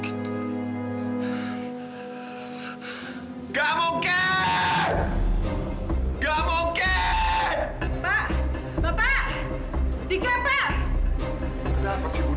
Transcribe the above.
kenapa sih bunuh dika